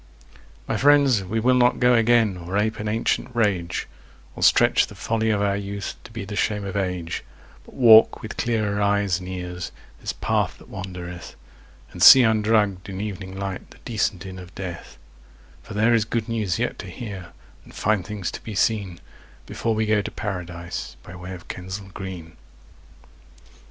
My friends, we will not go again or ape an ancient rage, Or stretch the folly of our youth to be the shame of age, But walk with clearer eyes and ears this path that wandereth, And see undrugged in evening light the decent inn of death; For there is good news yet to hear and fine things to be seen, Before we go to Paradise by way of Kensal Green.